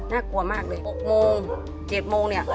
กลัวมากเลย๖โมง๗โมงเนี่ย